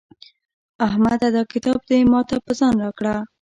احمده دا کتاب دې ما ته په ځان راکړه.